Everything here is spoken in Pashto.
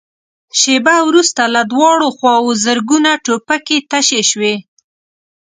شېبه وروسته له دواړو خواوو زرګونه ټوپکې تشې شوې.